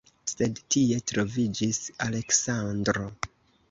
Sed tie troviĝis Aleksandro.